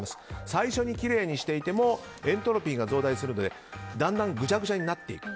最初にきれいにしていてもエントロピーが増大するのでだんだんぐちゃぐちゃになっていく。